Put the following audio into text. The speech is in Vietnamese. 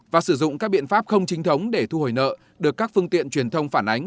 và sử dụng các biện pháp không chính thống để thu hồi nợ được các phương tiện truyền thông phản ánh